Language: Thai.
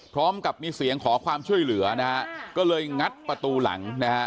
พร้อมกับมีเสียงขอความช่วยเหลือนะฮะก็เลยงัดประตูหลังนะฮะ